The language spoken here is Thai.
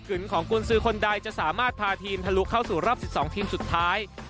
ของกุญสือคนใดจะสามารถพาทีมทะลุเข้าสู่รอบ๑๒ทีมสุดท้าย